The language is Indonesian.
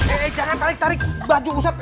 eh jangan tarik tarik baju user